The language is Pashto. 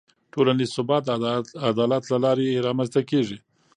ټولنیز ثبات د عدالت له لارې رامنځته کېږي.